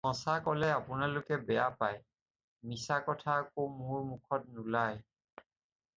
সঁচা ক'লে আপোনালোকে বেয়া পায়, মিছা কথা আকৌ মোৰ মুখত নোলায়।